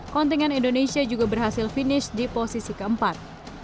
kontingen indonesia juga berhasil finish di posisi keempat